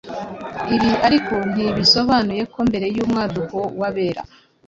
Ibi ariko ntibisobanuye ko mbere y’umwaduko w’abera,